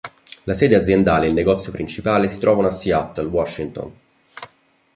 La sede aziendale e il negozio principale si trovano a Seattle, Washington.